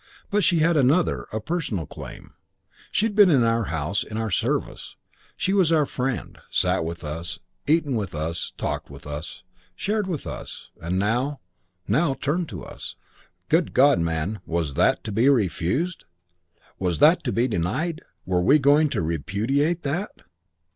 But she had another, a personal claim. She'd been in our house, in our service; she was our friend; sat with us; eaten with us; talked with us; shared with us; and now, now, turned to us. Good God, man, was that to be refused? Was that to be denied? Were we going to repudiate that?